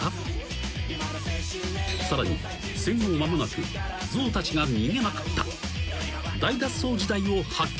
［さらに戦後間もなく象たちが逃げまくった大脱走時代を発見］